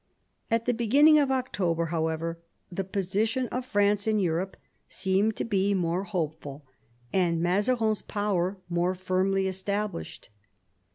At the beginning of October, however, the position of France in Europe seemed to be more hopeful, and Mazarin's power more firmly established.